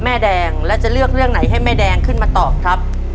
แม่แดงแล้วจะเลือกเรื่องไหนให้แม่แดงขึ้นมาตอบครับ